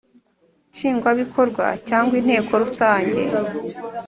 nshingwabikorwa cyangwa inteko rusange